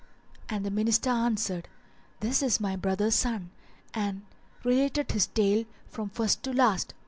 and the Minister answered, "This is my brother's son," and related his tale from first to last.